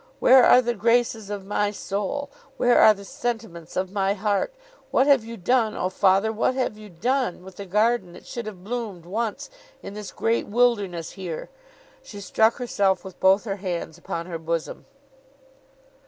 Where are the graces of my soul? Where are the sentiments of my heart? What have you done, O father, what have you done, with the garden that should have bloomed once, in this great wilderness here!' She struck herself with both her hands upon her bosom.